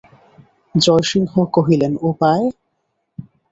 জয়সিংহ কহিলেন, উপায়!